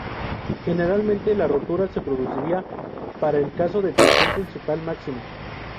Generalmente la rotura se producirá para el caso de tensión principal máxima.